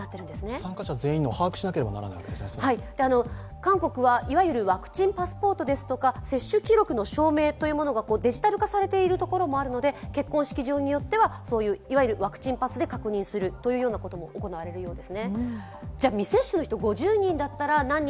韓国はワクチンパスポートですとか接種記録の証明がデジタル化されているところもあるので、結婚式場によってはいわゆるワクチンパスで確認するというようなことも行われるということです。